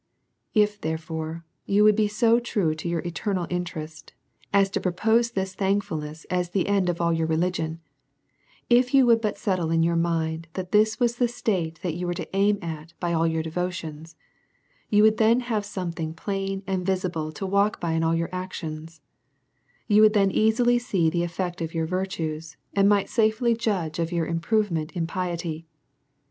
If, therefore, you would be so true to your eternal interest, as to propose this thankfulness as the end of all your religion ; if you would but settle it in your mind, that this was the state that you w^as to aim at by all your devotions ; you would then have something plain and visible to walk by in all your actions^ you would then easily see the effect of your virtues_, and might safely judge of your improvement in piety.